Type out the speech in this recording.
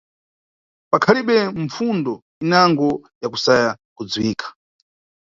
Pakhalibe mpfundo inango yakusaya kudziwika.